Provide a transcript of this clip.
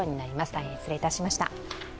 大変失礼いたしました。